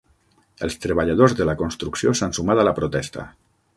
Els treballadors de la construcció s'han sumat a la protesta.